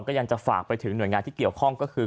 ยังจะฝากไปถึงหน่วยงานที่เกี่ยวข้องก็คือ